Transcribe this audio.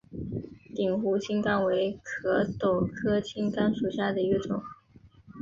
鼎湖青冈为壳斗科青冈属下的一个种。